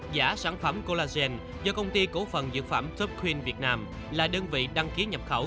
giả sản phẩm collagen do công ty cổ phần dược phẩm topin việt nam là đơn vị đăng ký nhập khẩu